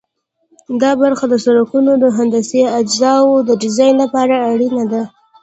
دا برخه د سرکونو د هندسي اجزاوو د ډیزاین لپاره اړینه ده